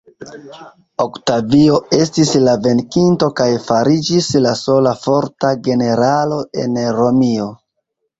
Oktavio estis la venkinto kaj fariĝis la sola forta generalo en Romio.